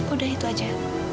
udah itu aja